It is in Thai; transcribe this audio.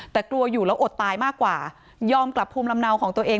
แต่กลัวอยู่แล้วอดตายมากกว่ายอมกลับภูมิลำเนาของตัวเอง